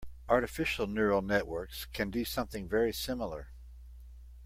Artificial neural networks can do something very similar.